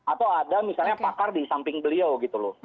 atau ada misalnya pakar di samping beliau gitu loh